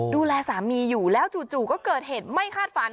ดูแลสามีอยู่แล้วจู่ก็เกิดเหตุไม่คาดฝัน